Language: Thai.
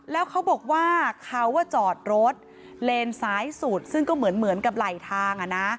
แล้วเขาบอกว่าเขาจอดรถเลนซ้ายสุดซึ่งก็เหมือนกับไหลทาง